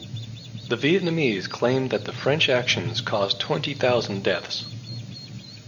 The Vietnamese claimed that the French actions caused twenty thousand deaths.